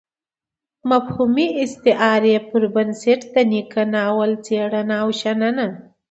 مفهومي استعارې پر بنسټ د نيکه ناول څېړنه او شننه.